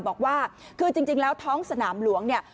บอกว่าคือจริงแล้วท้องสนามหลวงเนี่ย